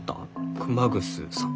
熊楠さん。